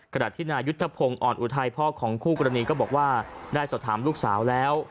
ขณะที่นายุทธพงศ์อ่อนอุทัยพ่อของคู่กรณีก็บอกว่าได้สอบถามลูกสาวแล้ว